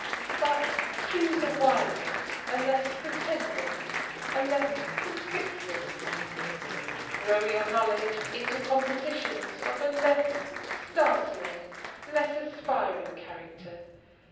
But, choose a wiser, a less pretending, a less conspicuous path. Throw your knowledge into compositions of a less startling, less aspiring character.